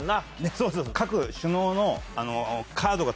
そうそう。